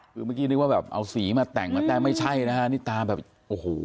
คือเมื่อกี้นึกว่าแบบเอาสีมาแต่งมาแต่ไม่ใช่นะฮะนี่ตาแบบโอ้โห